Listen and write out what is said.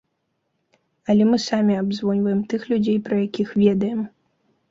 Але мы самі абзвоньваем тых людзей пра якіх ведаем.